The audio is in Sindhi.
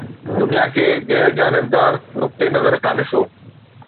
دنيا کي غير جانبدار نقطي نظر کان ڏسو